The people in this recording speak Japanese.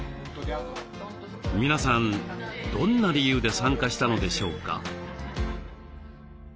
皆さんどんな理由で参加したのでしょうか？